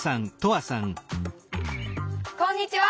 こんにちは。